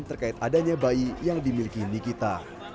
terkait adanya bayi yang dimiliki nikita